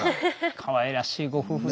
かわいらしいご夫婦でしたね。